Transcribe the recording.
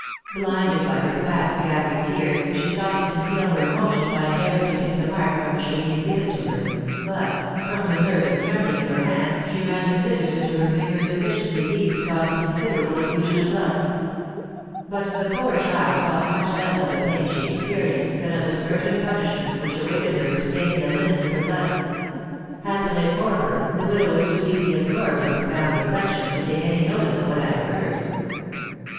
Blinded by her fast gathering tears, she sought to conceal her emotion by endeavouring to pick the mark from the chemise given to her, but, from the nervous trembling of her hand, she ran the scissors into her finger sufficiently deep to cause considerable effusion of blood; but the poor child thought much less of the pain she experienced than of the certain punishment which awaited her for staining the linen with her blood. Happily for her, the widow was too deeply absorbed in profound reflection to take any notice of what had occurred.